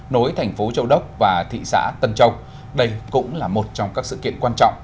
nối thành phố châu đốc và thị xã tân châu đây cũng là một trong các sự kiện quan trọng